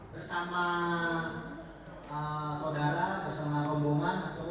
bersama saudara bersama rombongan